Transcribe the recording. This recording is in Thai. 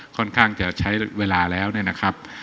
ค่อนข้างจะใช้เวลาแล้วเนี่ยนะครับ